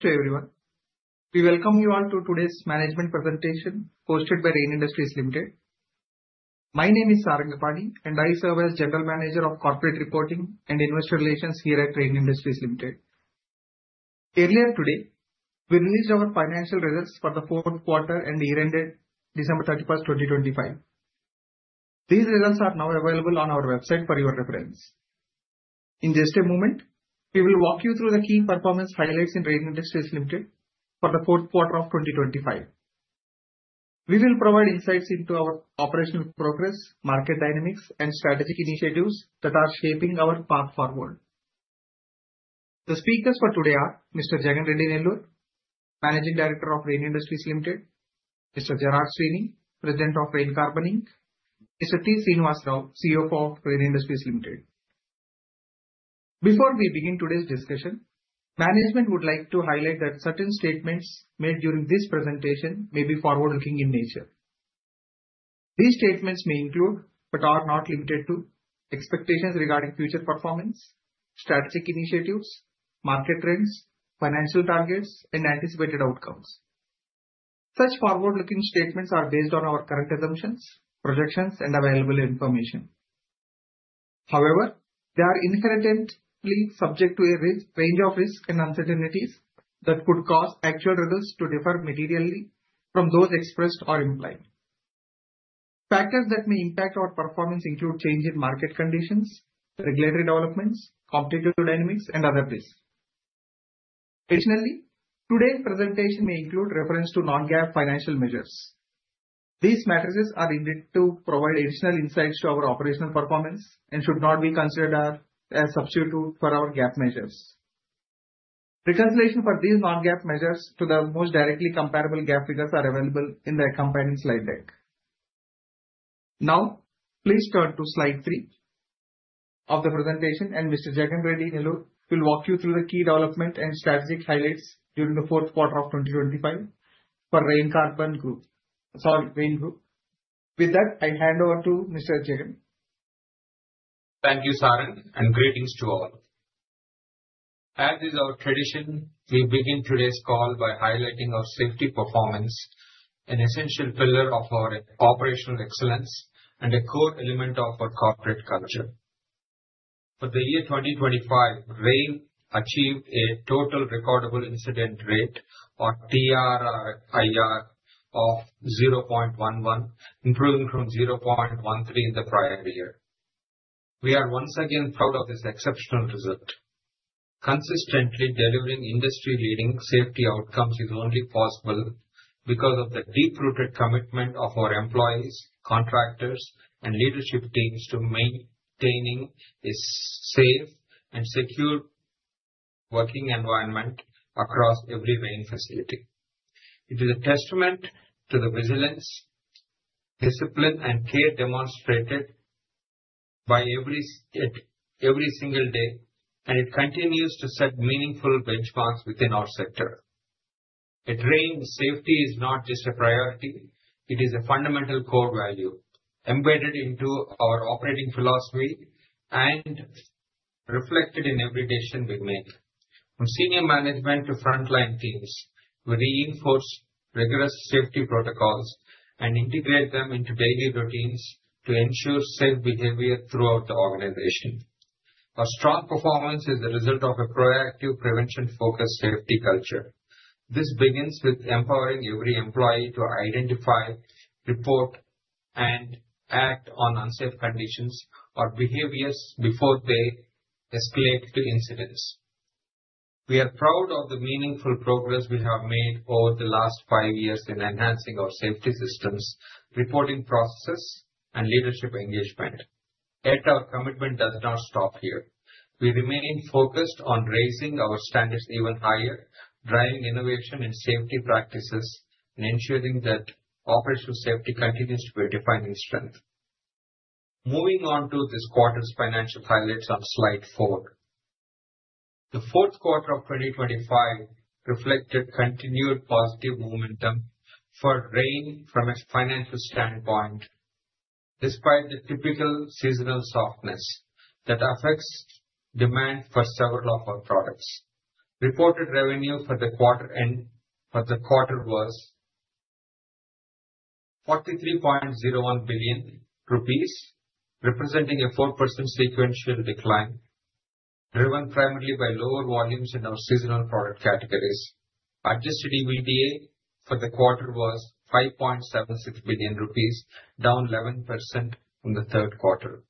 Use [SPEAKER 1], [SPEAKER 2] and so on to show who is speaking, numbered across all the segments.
[SPEAKER 1] To everyone. We welcome you all to today's management presentation hosted by Rain Industries Limited. My name is Sarangapani, and I serve as General Manager of Corporate Reporting and Investor Relations here at Rain Industries Limited. Earlier today, we released our financial results for the fourth quarter and year ended December 31, 2025. These results are now available on our website for your reference. In just a moment, we will walk you through the key performance highlights in Rain Industries Limited for the fourth quarter of 2025. We will provide insights into our operational progress, market dynamics, and strategic initiatives that are shaping our path forward. The speakers for today are Mr. Jagan Mohan Reddy Nellore, Managing Director of Rain Industries Limited, Mr. Gerard Sweeney, President of Rain Carbon Inc., Mr. T. Srinivas Rao, CFO of Rain Industries Limited. Before we begin today's discussion, management would like to highlight that certain statements made during this presentation may be forward-looking in nature. These statements may include, but are not limited to, expectations regarding future performance, strategic initiatives, market trends, financial targets, and anticipated outcomes. Such forward-looking statements are based on our current assumptions, projections, and available information. However, they are inherently subject to a range of risks and uncertainties that could cause actual results to differ materially from those expressed or implied. Factors that may impact our performance include changing market conditions, regulatory developments, competitive dynamics, and other risks. Additionally, today's presentation may include reference to non-GAAP financial measures. These metrics are intended to provide additional insights to our operational performance and should not be considered as substitute for our GAAP measures. Reconciliation for these non-GAAP measures to the most directly comparable GAAP figures are available in the accompanying slide deck. Now, please turn to slide 3 of the presentation, and Mr. Jagan Mohan Reddy Nellore will walk you through the key development and strategic highlights during the fourth quarter of 2025 for Rain Carbon Group. Sorry, Rain Group. With that, I hand over to Mr. Jagan.
[SPEAKER 2] Thank you, Sarang, and greetings to all. As is our tradition, we begin today's call by highlighting our safety performance, an essential pillar of our operational excellence and a core element of our corporate culture. For the year 2025, Rain achieved a total recordable incident rate, or TRIR, of 0.11, improving from 0.13 in the prior year. We are once again proud of this exceptional result. Consistently delivering industry-leading safety outcomes is only possible because of the deep-rooted commitment of our employees, contractors, and leadership teams to maintaining a safe and secure working environment across every Rain facility. It is a testament to the resilience, discipline, and care demonstrated by every single day, and it continues to set meaningful benchmarks within our sector. At Rain, safety is not just a priority, it is a fundamental core value embedded into our operating philosophy and reflected in every decision we make. From senior management to frontline teams, we reinforce rigorous safety protocols and integrate them into daily routines to ensure safe behavior throughout the organization. Our strong performance is the result of a proactive prevention-focused safety culture. This begins with empowering every employee to identify, report, and act on unsafe conditions or behaviors before they escalate to incidents. We are proud of the meaningful progress we have made over the last five years in enhancing our safety systems, reporting processes, and leadership engagement. Yet our commitment does not stop here. We remain focused on raising our standards even higher, driving innovation in safety practices, and ensuring that operational safety continues to be a defining strength. Moving on to this quarter's financial highlights on slide four. The fourth quarter of 2025 reflected continued positive momentum for Rain from a financial standpoint, despite the typical seasonal softness that affects demand for several of our products. Reported revenue for the quarter was INR 43.01 billion, representing a 4% sequential decline, driven primarily by lower volumes in our seasonal product categories. Adjusted EBITDA for the quarter was 5.76 billion rupees, down 11% from the third quarter.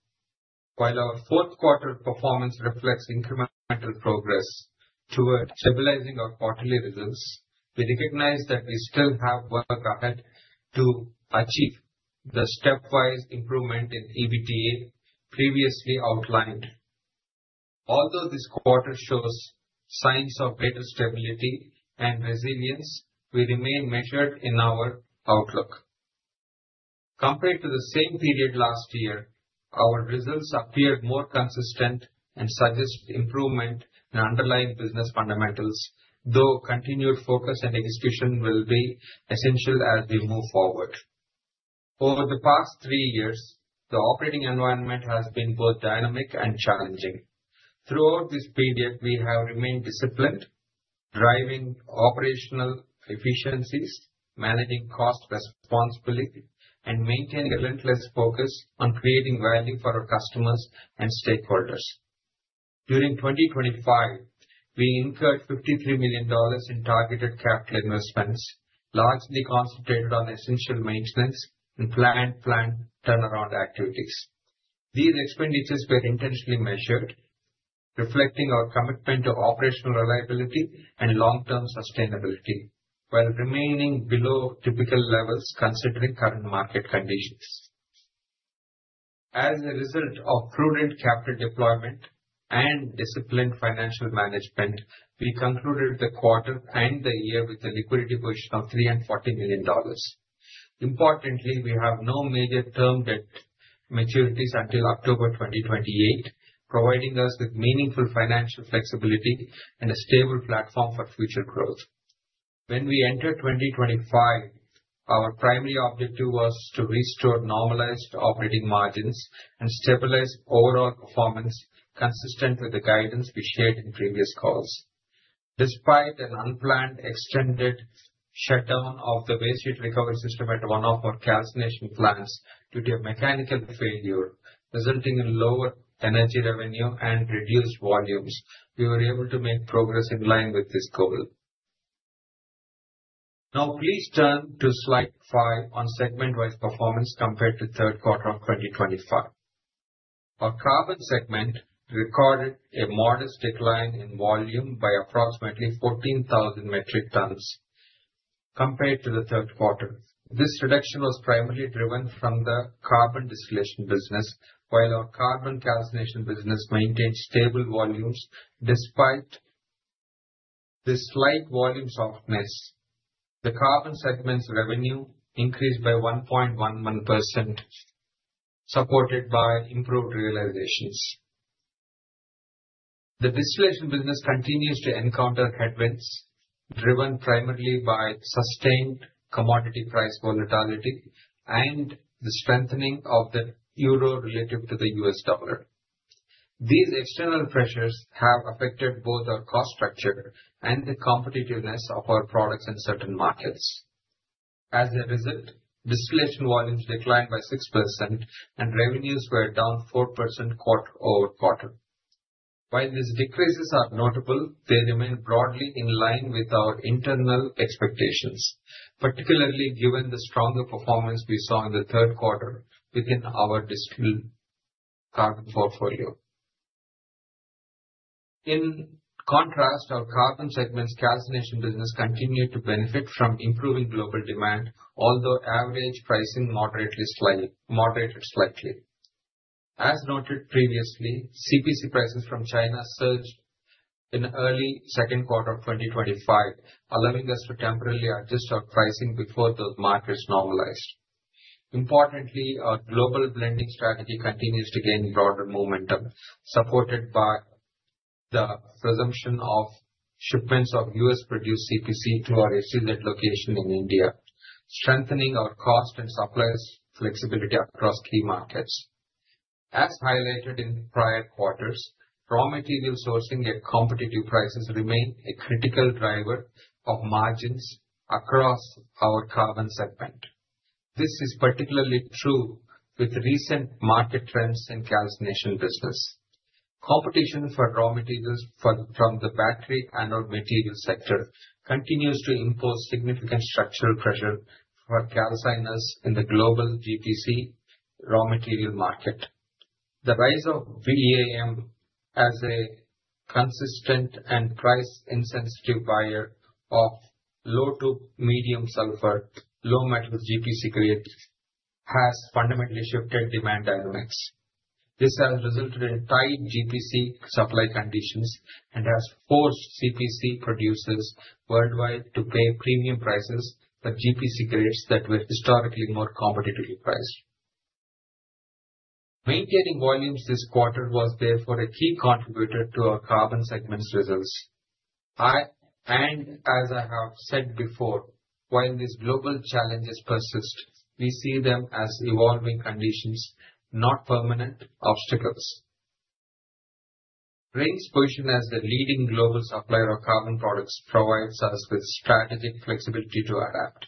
[SPEAKER 2] While our fourth quarter performance reflects incremental progress toward stabilizing our quarterly results, we recognize that we still have work ahead to achieve the stepwise improvement in EBITDA previously outlined. Although this quarter shows signs of greater stability and resilience, we remain measured in our outlook. Compared to the same period last year, our results appeared more consistent and suggest improvement in underlying business fundamentals, though continued focus and execution will be essential as we move forward. Over the past three years, the operating environment has been both dynamic and challenging. Throughout this period, we have remained disciplined, driving operational efficiencies, managing cost responsibility, and maintaining a relentless focus on creating value for our customers and stakeholders. During 2025, we incurred $53 million in targeted capital investments, largely concentrated on essential maintenance and planned plant turnaround activities. These expenditures were intentionally measured, reflecting our commitment to operational reliability and long-term sustainability, while remaining below typical levels considering current market conditions. As a result of prudent capital deployment and disciplined financial management, we concluded the quarter and the year with a liquidity position of $340 million. Importantly, we have no major term debt maturities until October 2028, providing us with meaningful financial flexibility and a stable platform for future growth. When we entered 2025, our primary objective was to restore normalized operating margins and stabilize overall performance consistent with the guidance we shared in previous calls. Despite an unplanned extended shutdown of the waste heat recovery system at one of our calcination plants due to a mechanical failure resulting in lower energy revenue and reduced volumes, we were able to make progress in line with this goal. Now please turn to slide 5 on segment-wide performance compared to third quarter of 2025. Our carbon segment recorded a modest decline in volume by approximately 14,000 metric tons compared to the third quarter. This reduction was primarily driven by the carbon distillation business, while our carbon calcination business maintained stable volumes. Despite this slight volume softness, the carbon segment's revenue increased by 1.11%, supported by improved realizations. The distillation business continues to encounter headwinds driven primarily by sustained commodity price volatility and the strengthening of the euro relative to the U.S. dollar. These external pressures have affected both our cost structure and the competitiveness of our products in certain markets. As a result, distillation volumes declined by 6% and revenues were down 4% quarter-over-quarter. While these decreases are notable, they remain broadly in line with our internal expectations, particularly given the stronger performance we saw in the third quarter within our distilled carbon portfolio. In contrast, our carbon segment's calcination business continued to benefit from improving global demand, although average pricing moderated slightly. As noted previously, CPC prices from China surged in early second quarter of 2025, allowing us to temporarily adjust our pricing before those markets normalized. Importantly, our global blending strategy continues to gain broader momentum, supported by the resumption of shipments of U.S.-produced CPC through our associate location in India, strengthening our cost and suppliers flexibility across key markets. As highlighted in prior quarters, raw material sourcing at competitive prices remain a critical driver of margins across our carbon segment. This is particularly true with recent market trends in calcination business. Competition for raw materials from the battery anode material sector continues to impose significant structural pressure for calciners in the global GPC raw material market. The rise of BAM as a consistent and price-insensitive buyer of low to medium sulfur, low metal GPC grade has fundamentally shifted demand dynamics. This has resulted in tight GPC supply conditions and has forced CPC producers worldwide to pay premium prices for GPC grades that were historically more competitively priced. Maintaining volumes this quarter was therefore a key contributor to our carbon segment's results. As I have said before, while these global challenges persist, we see them as evolving conditions, not permanent obstacles. Rain's position as the leading global supplier of carbon products provides us with strategic flexibility to adapt.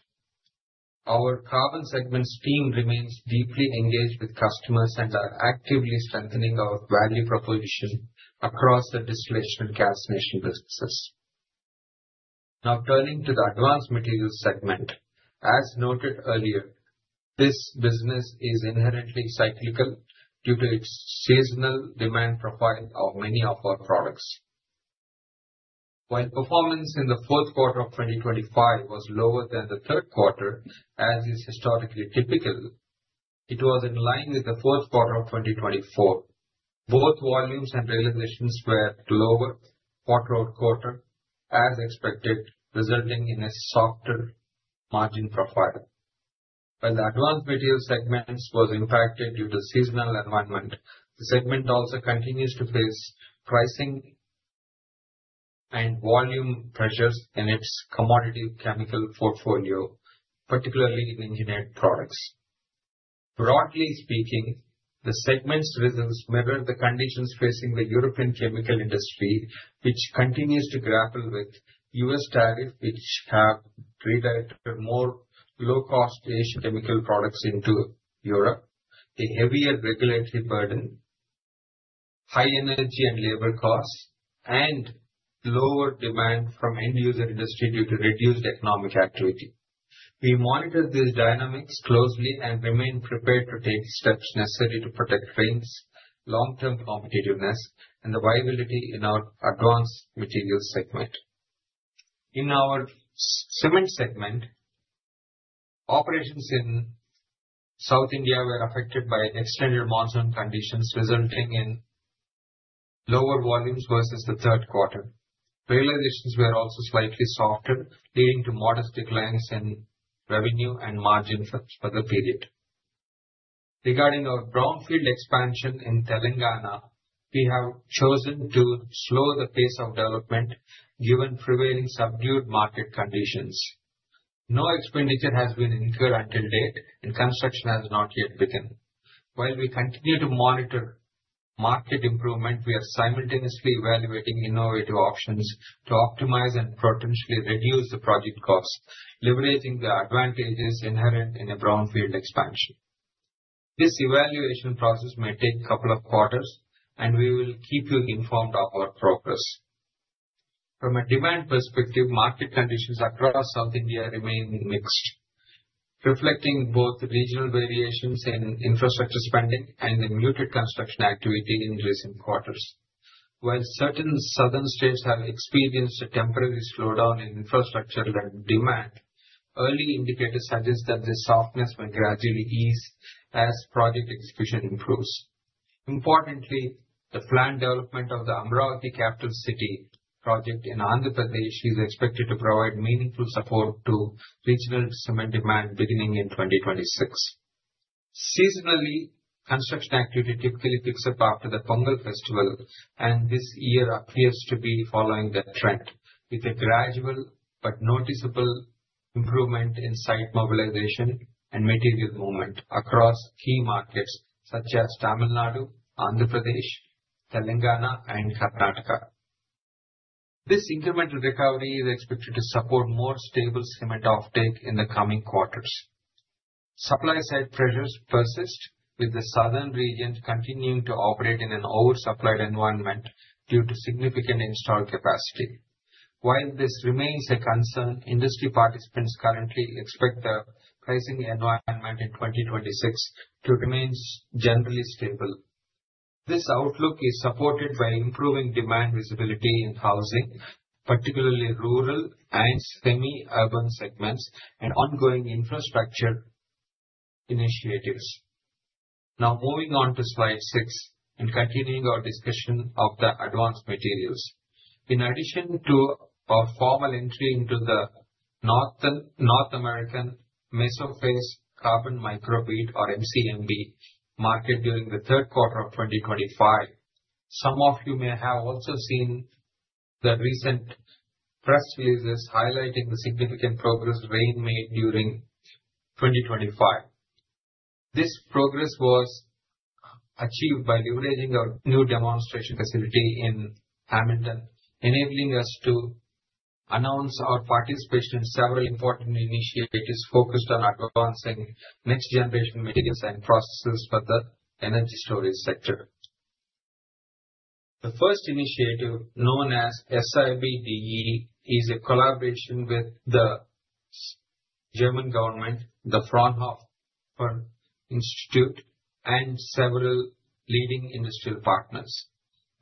[SPEAKER 2] Our carbon segment's team remains deeply engaged with customers and are actively strengthening our value proposition across the distillation calcination businesses. Now turning to the advanced materials segment. As noted earlier, this business is inherently cyclical due to its seasonal demand profile of many of our products. While performance in the fourth quarter of 2025 was lower than the third quarter, as is historically typical, it was in line with the fourth quarter of 2024. Both volumes and realizations were lower quarter-over-quarter as expected, resulting in a softer margin profile. While the advanced materials segments was impacted due to seasonal environment, the segment also continues to face pricing and volume pressures in its commodity chemical portfolio, particularly in engineered products. Broadly speaking, the segment's results mirror the conditions facing the European chemical industry, which continues to grapple with U.S. tariffs, which have redirected more low-cost Asian chemical products into Europe, the heavier regulatory burden, high energy and labor costs, and lower demand from end-user industry due to reduced economic activity. We monitor these dynamics closely and remain prepared to take steps necessary to protect Rain's long-term competitiveness and the viability in our advanced materials segment. In our cement segment, operations in South India were affected by extended monsoon conditions, resulting in lower volumes versus the third quarter. Realizations were also slightly softer, leading to modest declines in revenue and margin for the period. Regarding our brownfield expansion in Telangana, we have chosen to slow the pace of development given prevailing subdued market conditions. No expenditure has been incurred to date and construction has not yet begun. While we continue to monitor market improvement, we are simultaneously evaluating innovative options to optimize and potentially reduce the project costs, leveraging the advantages inherent in a brownfield expansion. This evaluation process may take couple of quarters, and we will keep you informed of our progress. From a demand perspective, market conditions across South India remain mixed, reflecting both regional variations in infrastructure spending and the muted construction activity in recent quarters. While certain southern states have experienced a temporary slowdown in infrastructure demand, early indicators suggest that this softness may gradually ease as project execution improves. Importantly, the planned development of the Amaravati Capital City project in Andhra Pradesh is expected to provide meaningful support to regional cement demand beginning in 2026. Seasonally, construction activity typically picks up after the Pongal festival, and this year appears to be following that trend with a gradual but noticeable improvement in site mobilization and material movement across key markets such as Tamil Nadu, Andhra Pradesh, Telangana, and Karnataka. This incremental recovery is expected to support more stable cement offtake in the coming quarters. Supply side pressures persist, with the southern region continuing to operate in an oversupplied environment due to significant installed capacity. While this remains a concern, industry participants currently expect the pricing environment in 2026 to remain generally stable. This outlook is supported by improving demand visibility in housing, particularly rural and semi-urban segments, and ongoing infrastructure initiatives. Now moving on to slide 6 and continuing our discussion of the advanced materials. In addition to our formal entry into the North American mesophase carbon micro bead or MCMB market during the third quarter of 2025, some of you may have also seen the recent press releases highlighting the significant progress Rain made during 2025. This progress was achieved by leveraging our new demonstration facility in Hamilton, enabling us to announce our participation in several important initiatives focused on advancing next-generation materials and processes for the energy storage sector. The first initiative, known as SIBDE, is a collaboration with the German government, the Fraunhofer Institute, and several leading industrial partners.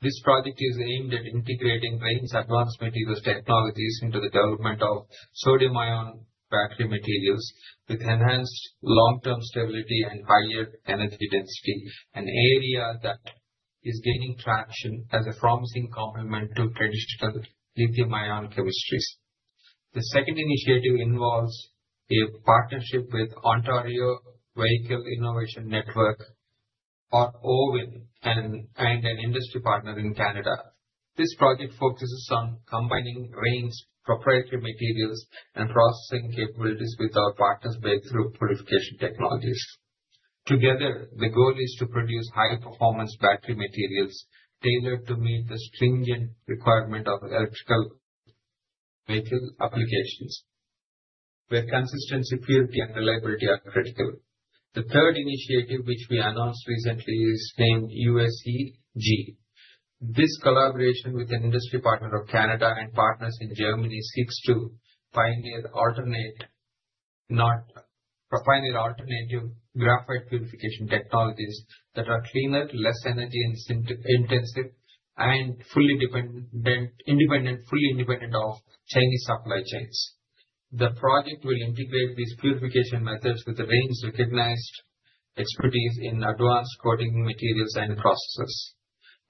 [SPEAKER 2] This project is aimed at integrating Rain's advanced materials technologies into the development of sodium-ion battery materials with enhanced long-term stability and higher energy density, an area that is gaining traction as a promising complement to traditional lithium-ion chemistries. The second initiative involves a partnership with Ontario Vehicle Innovation Network or OVIN and an industry partner in Canada. This project focuses on combining Rain's proprietary materials and processing capabilities with our partners' breakthrough purification technologies. Together, the goal is to produce high-performance battery materials tailored to meet the stringent requirement of electric vehicle applications where consistency, purity, and reliability are critical. The third initiative, which we announced recently, is named U-SE-G. This collaboration with an industry partner of Canada and partners in Germany seeks to pioneer alternative graphite purification technologies that are cleaner, less energy intensive, and fully independent of Chinese supply chains. The project will integrate these purification methods with Rain's recognized expertise in advanced coating materials and processes.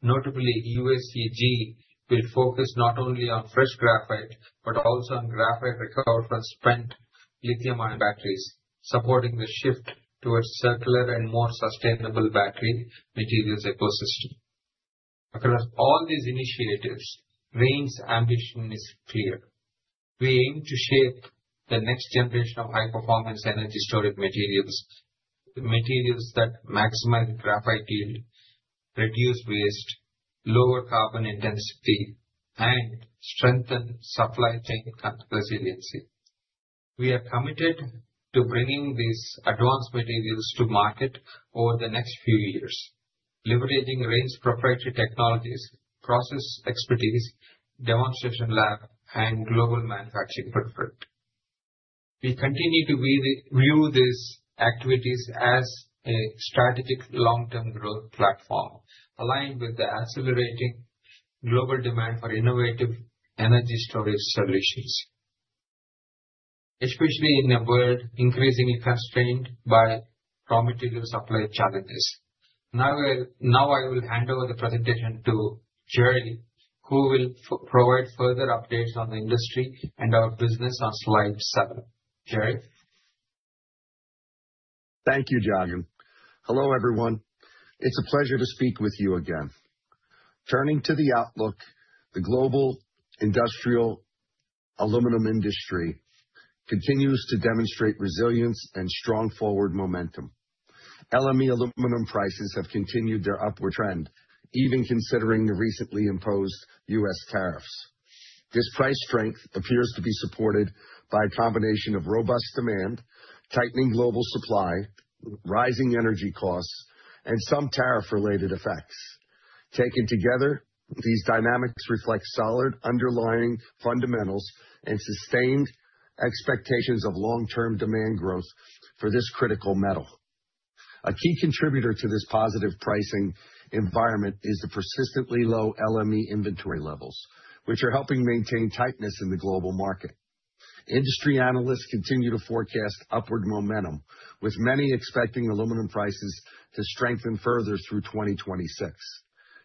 [SPEAKER 2] Notably, U-SE-G will focus not only on fresh graphite, but also on graphite recovered from spent lithium-ion batteries, supporting the shift towards circular and more sustainable battery materials ecosystem. Across all these initiatives, Rain's ambition is clear. We aim to shape the next generation of high-performance energy storage materials. Materials that maximize graphite yield, reduce waste, lower carbon intensity, and strengthen supply chain resiliency. We are committed to bringing these advanced materials to market over the next few years, leveraging Rain's proprietary technologies, process expertise, demonstration lab, and global manufacturing footprint. We continue to view these activities as a strategic long-term growth platform aligned with the accelerating global demand for innovative energy storage solutions, especially in a world increasingly constrained by raw material supply challenges. Now, I will hand over the presentation to Gerry, who will provide further updates on the industry and our business on slide 7. Gerry?
[SPEAKER 3] Thank you, Jagan. Hello, everyone. It's a pleasure to speak with you again. Turning to the outlook, the global industrial aluminum industry continues to demonstrate resilience and strong forward momentum. LME aluminum prices have continued their upward trend, even considering the recently imposed U.S. tariffs. This price strength appears to be supported by a combination of robust demand, tightening global supply, rising energy costs, and some tariff related effects. Taken together, these dynamics reflect solid underlying fundamentals and sustained expectations of long-term demand growth for this critical metal. A key contributor to this positive pricing environment is the persistently low LME inventory levels, which are helping maintain tightness in the global market. Industry analysts continue to forecast upward momentum, with many expecting aluminum prices to strengthen further through 2026.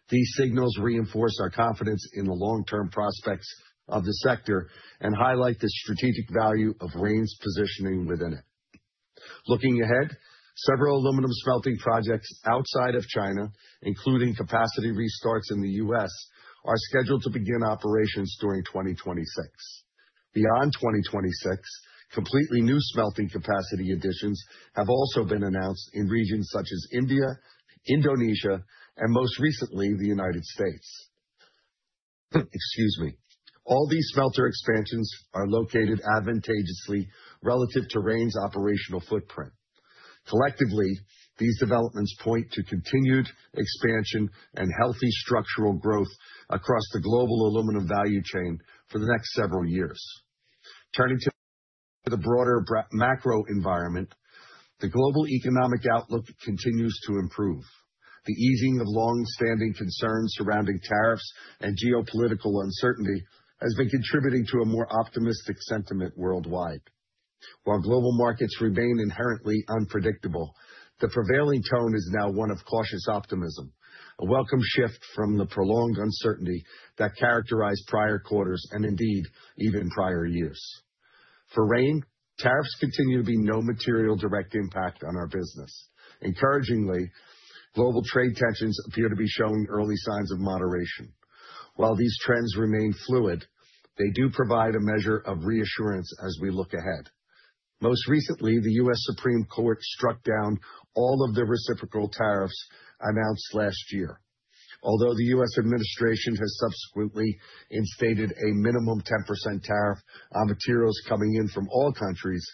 [SPEAKER 3] These signals reinforce our confidence in the long-term prospects of the sector and highlight the strategic value of Rain's positioning within it. Looking ahead, several aluminum smelting projects outside of China, including capacity restarts in the U.S., are scheduled to begin operations during 2026. Beyond 2026, completely new smelting capacity additions have also been announced in regions such as India, Indonesia, and most recently, the United States. Excuse me. All these smelter expansions are located advantageously relative to Rain's operational footprint. Collectively, these developments point to continued expansion and healthy structural growth across the global aluminum value chain for the next several years. Turning to the broader macro environment, the global economic outlook continues to improve. The easing of long-standing concerns surrounding tariffs and geopolitical uncertainty has been contributing to a more optimistic sentiment worldwide. While global markets remain inherently unpredictable, the prevailing tone is now one of cautious optimism, a welcome shift from the prolonged uncertainty that characterized prior quarters, and indeed even prior years. For Rain, tariffs continue to be no material direct impact on our business. Encouragingly, global trade tensions appear to be showing early signs of moderation. While these trends remain fluid, they do provide a measure of reassurance as we look ahead. Most recently, the US Supreme Court struck down all of the reciprocal tariffs announced last year. Although the US administration has subsequently instituted a minimum 10% tariff on materials coming in from all countries,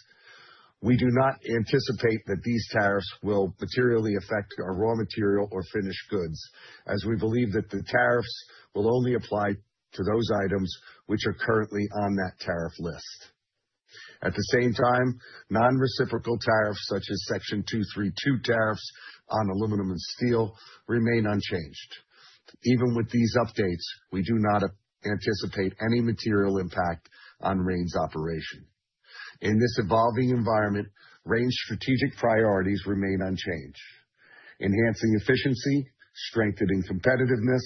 [SPEAKER 3] we do not anticipate that these tariffs will materially affect our raw material or finished goods, as we believe that the tariffs will only apply to those items which are currently on that tariff list. At the same time, non-reciprocal tariffs, such as Section 232 tariffs on aluminum and steel, remain unchanged. Even with these updates, we do not anticipate any material impact on Rain's operation. In this evolving environment, Rain's strategic priorities remain unchanged, enhancing efficiency, strengthening competitiveness,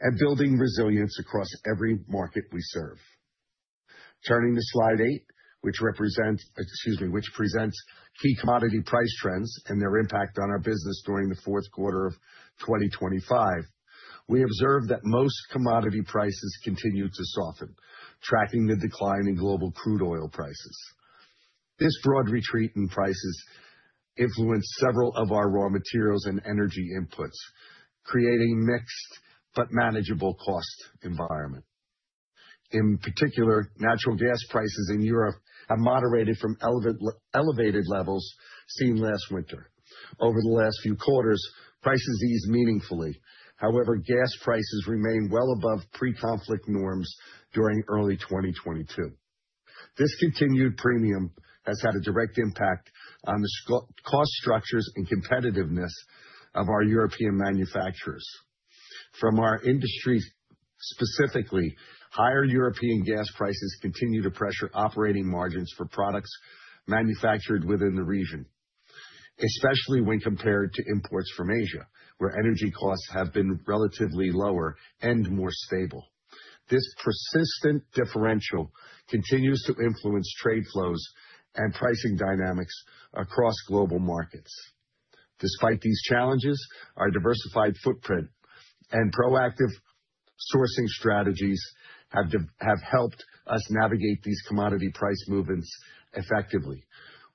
[SPEAKER 3] and building resilience across every market we serve. Turning to slide 8, which presents key commodity price trends and their impact on our business during the fourth quarter of 2025. We observed that most commodity prices continued to soften, tracking the decline in global crude oil prices. This broad retreat in prices influenced several of our raw materials and energy inputs, creating mixed but manageable cost environment. In particular, natural gas prices in Europe have moderated from elevated levels seen last winter. Over the last few quarters, prices eased meaningfully. However, gas prices remain well above pre-conflict norms during early 2022. This continued premium has had a direct impact on the cost structures and competitiveness of our European manufacturers. From our industry, specifically, higher European gas prices continue to pressure operating margins for products manufactured within the region, especially when compared to imports from Asia, where energy costs have been relatively lower and more stable. This persistent differential continues to influence trade flows and pricing dynamics across global markets. Despite these challenges, our diversified footprint and proactive sourcing strategies have helped us navigate these commodity price movements effectively.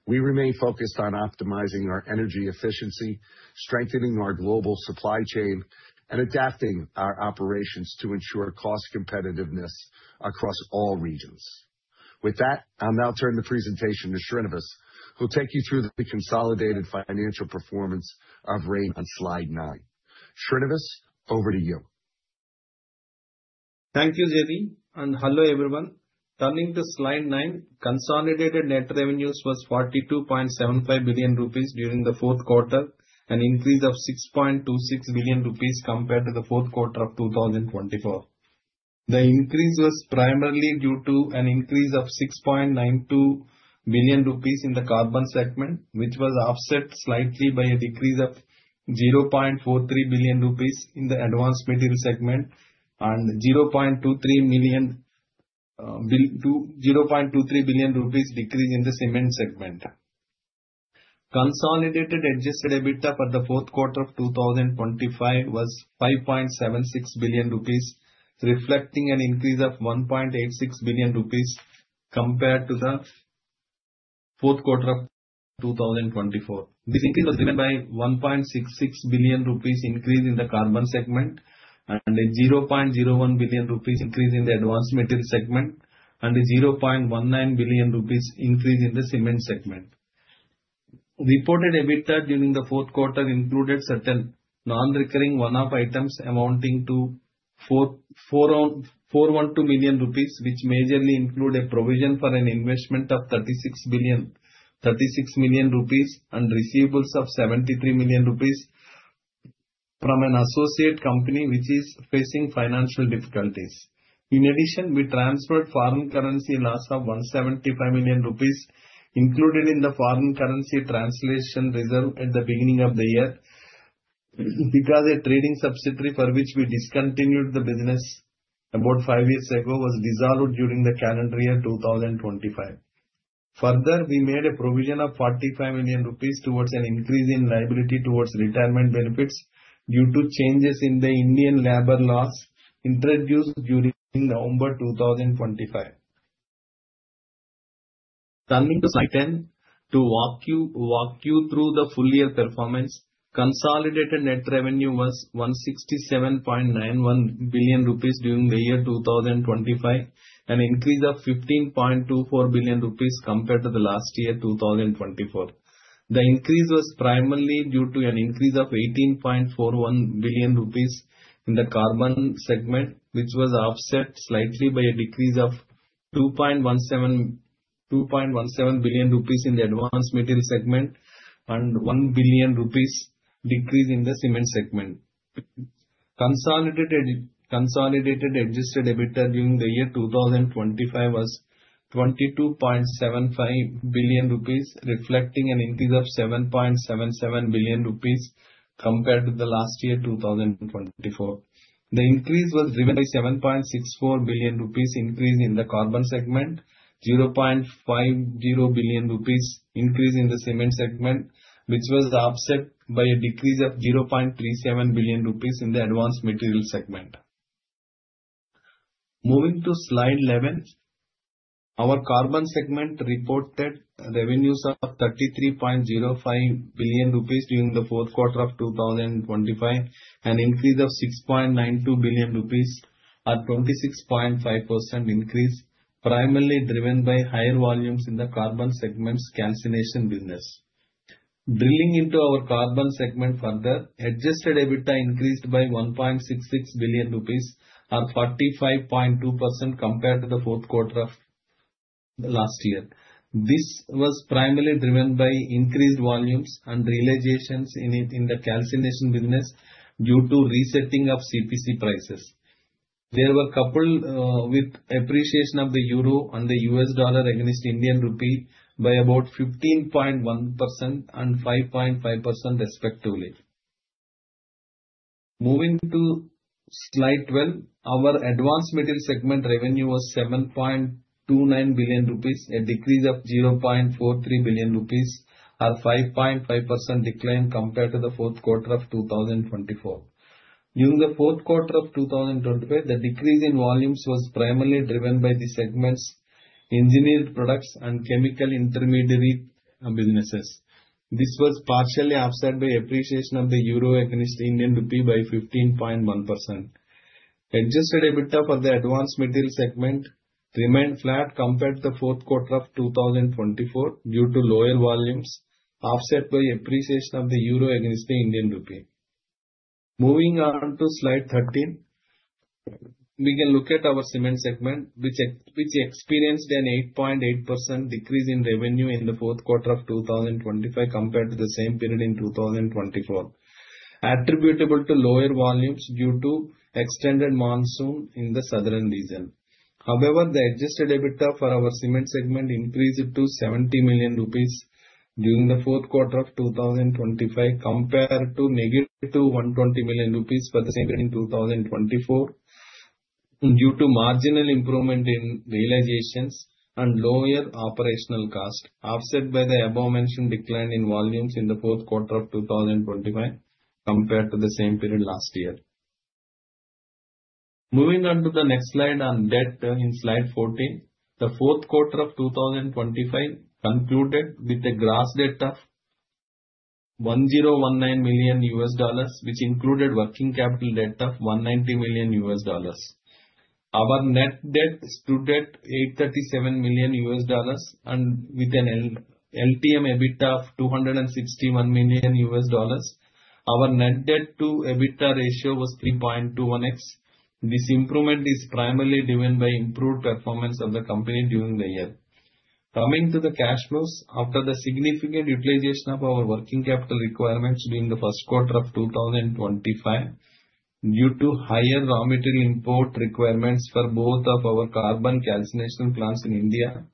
[SPEAKER 3] We remain focused on optimizing our energy efficiency, strengthening our global supply chain, and adapting our operations to ensure cost competitiveness across all regions. With that, I'll now turn the presentation to Srinivas, who'll take you through the consolidated financial performance of Rain on slide nine. Srinivas, over to you.
[SPEAKER 4] Thank you, Gerry, and hello, everyone. Turning to slide 9, consolidated net revenues was 42.75 billion rupees during the fourth quarter, an increase of 6.26 billion rupees compared to the fourth quarter of 2024. The increase was primarily due to an increase of 6.92 billion rupees in the carbon segment, which was offset slightly by a decrease of 0.43 billion rupees in the advanced materials segment and a 0.23 billion decrease in the cement segment. Consolidated adjusted EBITDA for the fourth quarter of 2025 was 5.76 billion rupees, reflecting an increase of 1.86 billion rupees compared to the fourth quarter of 2024. This was driven by 1.66 billion rupees increase in the carbon segment and a 0.01 billion rupees increase in the advanced materials segment and a 0.19 billion rupees increase in the cement segment. Reported EBITDA during the fourth quarter included certain non-recurring one-off items amounting to 44.12 million rupees, which majorly include a provision for an investment of 36 million rupees and receivables of 73 million rupees from an associate company which is facing financial difficulties. In addition, we transferred foreign currency loss of 175 million rupees included in the foreign currency translation reserve at the beginning of the year because a trading subsidiary for which we discontinued the business about five years ago was dissolved during the calendar year 2025. Further, we made a provision of 45 million rupees towards an increase in liability towards retirement benefits due to changes in the Indian labor laws introduced during November 2025. Turning to slide 10 to walk you through the full year performance. Consolidated net revenue was 167.91 billion rupees during the year 2025, an increase of 15.24 billion rupees compared to the last year, 2024. The increase was primarily due to an increase of 18.41 billion rupees in the carbon segment, which was offset slightly by a decrease of 2.17 billion rupees in the advanced materials segment and one billion rupees decrease in the cement segment. Consolidated adjusted EBITDA during the year 2025 was 22.75 billion rupees, reflecting an increase of 7.77 billion rupees compared to the last year, 2024. The increase was driven by 7.64 billion rupees increase in the carbon segment, 0.50 billion rupees increase in the cement segment, which was offset by a decrease of 0.37 billion rupees in the advanced materials segment. Moving to slide 11. Our carbon segment reported revenues of 33.05 billion rupees during the fourth quarter of 2025, an increase of 6.92 billion rupees a 26.5% increase, primarily driven by higher volumes in the carbon segment's calcination business. Drilling into our carbon segment further, adjusted EBITDA increased by 1.66 billion rupees or 45.2% compared to the fourth quarter of the last year. This was primarily driven by increased volumes and realizations in the calcination business due to resetting of CPC prices. They were coupled with appreciation of the euro and the US dollar against Indian rupee by about 15.1% and 5.5% respectively. Moving to slide 12. Our advanced materials segment revenue was INR 7.29 billion, a decrease of INR 0.43 billion or 5.5% decline compared to the fourth quarter of 2024. During the fourth quarter of 2025, the decrease in volumes was primarily driven by the segment's engineered products and chemical intermediary businesses. This was partially offset by appreciation of the euro against Indian rupee by 15.1%. Adjusted EBITDA for the advanced materials segment remained flat compared to the fourth quarter of 2024 due to lower volumes offset by appreciation of the euro against the Indian rupee. Moving on to slide 13. We can look at our cement segment, which experienced an 8.8% decrease in revenue in the fourth quarter of 2025 compared to the same period in 2024, attributable to lower volumes due to extended monsoon in the southern region. However, the adjusted EBITDA for our cement segment increased to 70 million rupees during the fourth quarter of 2025, compared to -120 million rupees for the same period in 2024, due to marginal improvement in realizations and lower operational costs, offset by the above-mentioned decline in volumes in the fourth quarter of 2025 compared to the same period last year. Moving on to the next slide on debt in slide 14. The fourth quarter of 2025 concluded with a gross debt of $1,019 million, which included working capital debt of $190 million. Our net debt stood at $837 million and with an LTM EBITDA of $261 million. Our net debt to EBITDA ratio was 3.21x. This improvement is primarily driven by improved performance of the company during the year. Coming to the cash flows. After the significant utilization of our working capital requirements during the first quarter of 2025, due to higher raw material import requirements for both of our carbon calcination plants in India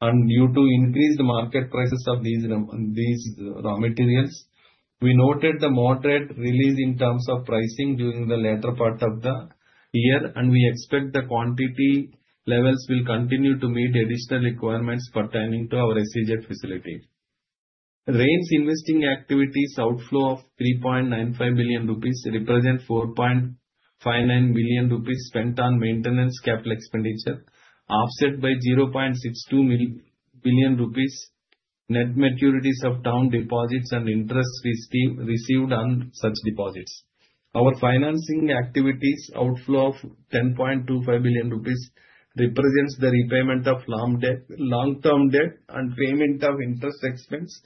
[SPEAKER 4] and due to increased market prices of these raw materials, we noted the moderate release in terms of pricing during the latter part of the year, and we expect the quantity levels will continue to meet additional requirements pertaining to our ACG facility. Rain's investing activities outflow of 3.95 billion rupees represent 4.59 billion rupees spent on maintenance capital expenditure, offset by 0.62 billion rupees net maturities of term deposits and interest received on such deposits. Our financing activities outflow of 10.25 billion rupees represents the repayment of long-term debt and payment of interest expense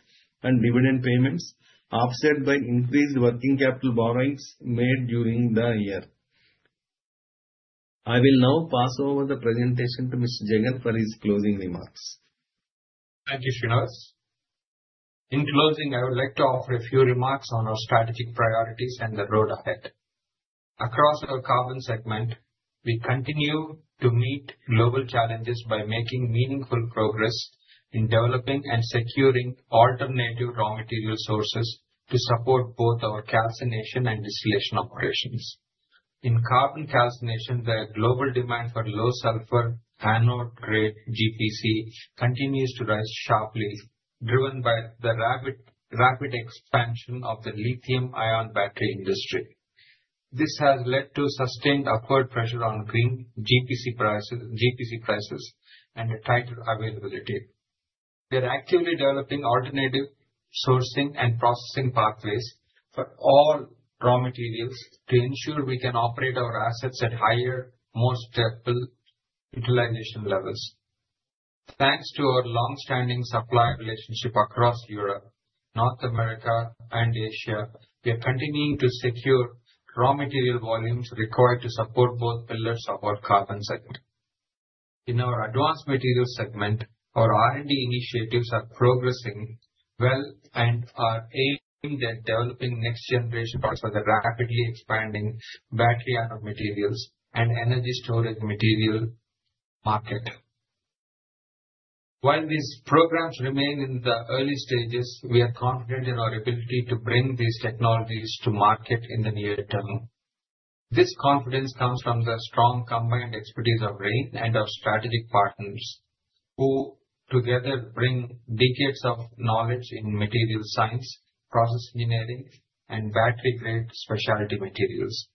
[SPEAKER 4] and dividend payments, offset by increased working capital borrowings made during the year. I will now pass over the presentation to Mr. Jagan for his closing remarks.
[SPEAKER 2] Thank you, Srinivas. In closing, I would like to offer a few remarks on our strategic priorities and the road ahead. Across our carbon segment, we continue to meet global challenges by making meaningful progress in developing and securing alternative raw material sources to support both our calcination and distillation operations. In carbon calcination, the global demand for low sulfur anode-grade GPC continues to rise sharply, driven by the rapid expansion of the lithium-ion battery industry. This has led to sustained upward pressure on green GPC prices and a tighter availability. We are actively developing alternative sourcing and processing pathways for all raw materials to ensure we can operate our assets at higher, more stable utilization levels. Thanks to our long-standing supply relationship across Europe, North America, and Asia, we are continuing to secure raw material volumes required to support both pillars of our carbon segment. In our advanced materials segment, our R&D initiatives are progressing well and are aiming at developing next-generation products for the rapidly expanding battery anode materials and energy storage material market. While these programs remain in the early stages, we are confident in our ability to bring these technologies to market in the near term. This confidence comes from the strong combined expertise of Rain and our strategic partners, who together bring decades of knowledge in materials science, process engineering, and battery-grade specialty materials.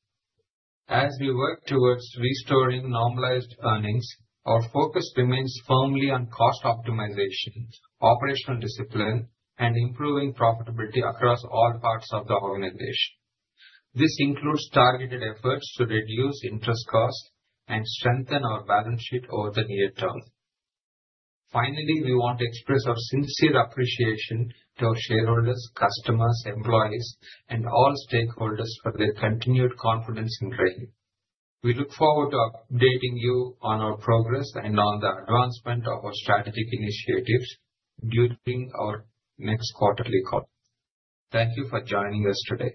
[SPEAKER 2] As we work towards restoring normalized earnings, our focus remains firmly on cost optimization, operational discipline, and improving profitability across all parts of the organization. This includes targeted efforts to reduce interest costs and strengthen our balance sheet over the near term. Finally, we want to express our sincere appreciation to our shareholders, customers, employees, and all stakeholders for their continued confidence in Rain. We look forward to updating you on our progress and on the advancement of our strategic initiatives during our next quarterly call. Thank you for joining us today.